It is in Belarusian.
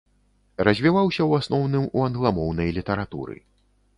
Развіваўся ў асноўным у англамоўнай літаратуры.